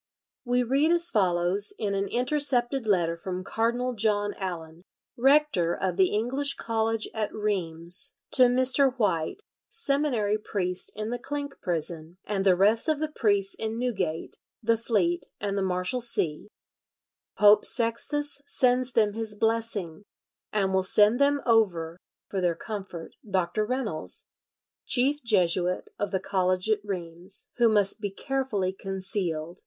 We read as follows in an intercepted letter from Cardinal John Allen, Rector of the English College at Rheims, to Mr. White, seminary priest in the Clink Prison, and the rest of the priests in Newgate, the Fleet, and the Marshalsea. "Pope Sextus sends them his blessing, and will send them over for their comfort Dr. Reynolds, chief Jesuit of the college at Rheims, who must be carefully concealed